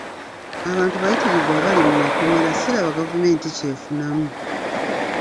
Abantu bayitirivu abali mu makomera siraba gavumenti kyefunamu.